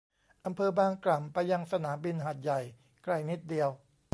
จากอำเภอบางกล่ำไปยังสนามบินหาดใหญ่ใกล้นิดเดียว